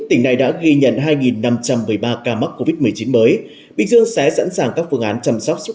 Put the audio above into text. tỉnh này đã ghi nhận hai năm trăm một mươi ba ca mắc covid một mươi chín mới bình dương sẽ sẵn sàng các phương án chăm sóc sức